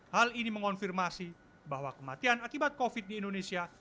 hal ini mengonfirmasi bahwa kematian akibat covid di indonesia